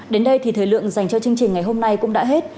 đến đây thì thời lượng dành cho chương trình ngày hôm nay cũng đã hết